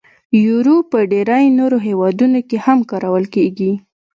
یورو په ډیری نورو هیوادونو کې هم کارول کېږي.